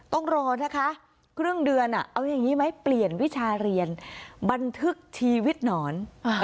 ต้องรอนะคะครึ่งเดือนเอาอย่างนี้ไหมเปลี่ยนวิชาเรียนบันทึกชีวิตหนอน